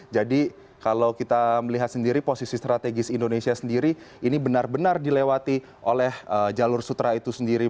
jadi kalau kita melihat sendiri posisi strategis indonesia sendiri ini benar benar dilewati oleh jalur sutra itu sendiri